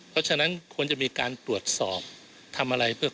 เพราะฉะนั้นควรจะมีการตรวจสอบทำอะไรเพื่อ